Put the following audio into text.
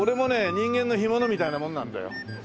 人間の干物みたいなもんなんだよ。